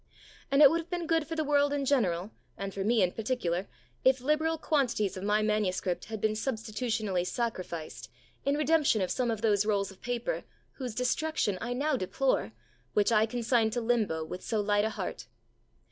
And it would have been good for the world in general, and for me in particular, if liberal quantities of my manuscript had been substitutionally sacrificed in redemption of some of those rolls of paper, whose destruction I now deplore, which I consigned to limbo with so light a heart.